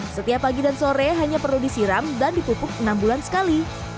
setiap pagi dan sore hanya perlu disiram dan dipupuk enam bulan sekali